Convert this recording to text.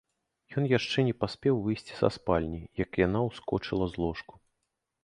Ён яшчэ не паспеў выйсці са спальні, як яна ўскочыла з ложку.